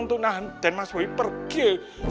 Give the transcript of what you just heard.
untuk nahan denmas wai pergi